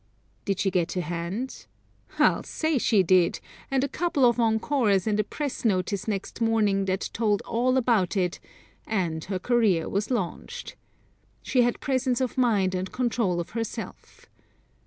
Did she get a hand? I'll say she did, and a couple of encores and a press notice next morning that told all about it, and her career was launched. She had presence of mind and control of herself.